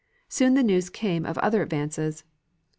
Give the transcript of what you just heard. Soon the news came of other advances.